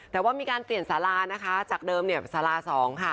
แต่ว่ามีการเปลี่ยนสารานะคะจากเดิมเนี่ยสารา๒ค่ะ